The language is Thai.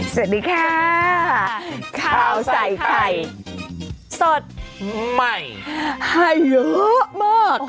สวัสดีค่ะข้าวใส่ไข่สดใหม่ให้เยอะมาก